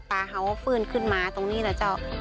ปลาเขาฟื้นขึ้นมาตรงนี้แล้วจ้ะ